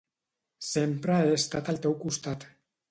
Sempre he estat al seu costat.